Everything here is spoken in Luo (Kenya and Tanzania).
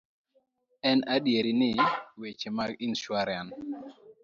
En adier ni, weche mag insuaran